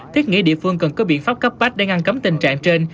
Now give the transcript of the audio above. thiết nghĩ địa phương cần có biện pháp cấp bách để ngăn cấm tình trạng trên